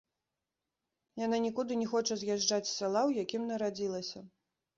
Яна нікуды не хоча з'язджаць з сяла, у якім нарадзілася.